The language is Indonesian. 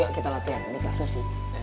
yuk kita latihan ini kelas mesti